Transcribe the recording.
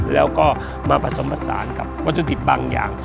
แล้วก็มาผสมผสานกับวัตถุดิบบางอย่าง